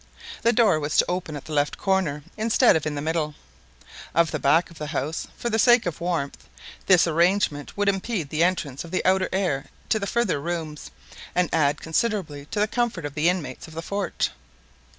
The door was to open at the left corner, instead of in the middle, of the back of the house, for the sake of warmth. This arrangement would impede the entrance of the outer air to the further rooms, and add considerably to the comfort of the inmates of the fort.